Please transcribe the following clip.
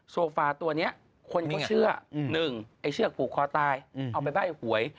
โซฟาตัวเนี้ยคนภูมิเชื่อหนึ่งไอ้เชื่อบูครอตายเอาไปไปไหวย